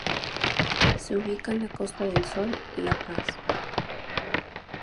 Se ubica en la Costa del Sol, La Paz.